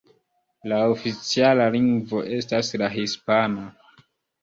La oficiala lingvo estas la hispana.